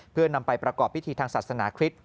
เพื่อนำไปประกอบพิธีทางศาสนาคริสต์